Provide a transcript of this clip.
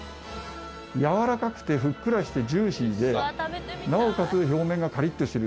やわらかくてふっくらしてジューシーでなおかつ表面がカリッとしてる。